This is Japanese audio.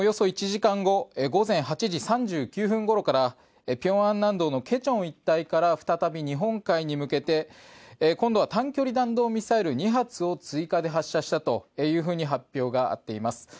１時間後午前８時３９分ごろから平安南道の价川一帯から再び日本海に向けて今度は短距離弾道ミサイル２発を追加で発射したと発表があります。